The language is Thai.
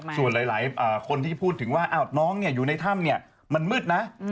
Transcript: ส่วนหลายคนที่พูดถึงว่าน้องอยู่ในถ้ำมันมืดนะ